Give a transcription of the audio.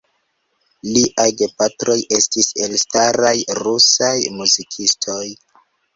Liaj gepatroj estis elstaraj rusaj muzikistoj.